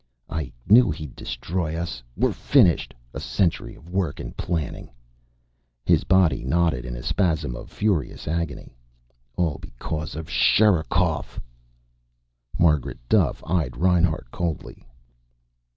"I knew he'd destroy us. We're finished. A century of work and planning." His body knotted in a spasm of furious agony. "All because of Sherikov!" Margaret Duffe eyed Reinhart coldly.